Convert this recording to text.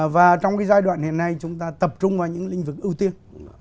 và trong giai đoạn hiện nay chúng ta tập trung vào những lĩnh vực ưu tiên